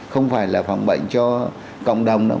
không phải là phòng bệnh cho cộng đồng đâu